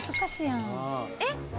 えっ？